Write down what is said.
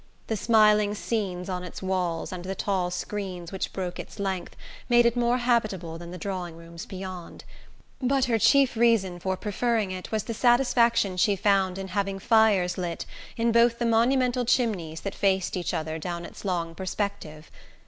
The smiling scenes on its walls and the tall screens which broke its length made it more habitable than the drawing rooms beyond; but her chief reason for preferring it was the satisfaction she found in having fires lit in both the monumental chimneys that faced each other down its long perspective.